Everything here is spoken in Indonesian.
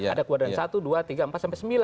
ada kuadan satu dua tiga empat sampai sembilan